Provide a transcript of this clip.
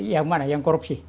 yang mana yang korupsi